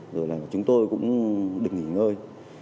rồi là chúng tôi cũng được nghỉ ngơi